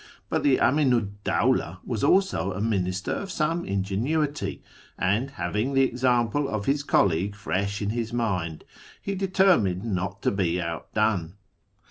But the Aminu 'd Dcada was also a minister of some ingenuity, and, having the example of his colleague fresh in his mind, he determined not to be outdone.